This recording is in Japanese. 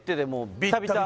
ビッタビタ